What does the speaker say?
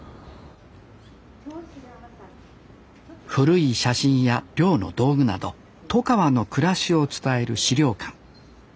古い写真や漁の道具など外川の暮らしを伝える資料館。